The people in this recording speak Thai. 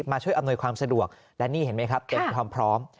มาช่วยอำนวยความสะดวกและนี่เห็นไหมครับเต็มความพร้อม